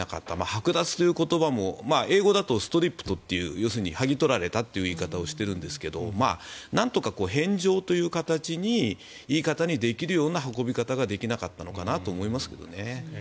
はく奪という言葉も英語だとストリップドという要するに剥ぎ取られたという言い方をしているんですがなんとか返上という形に言い方にできるような運び方ができなかったのかなと思いますけどね。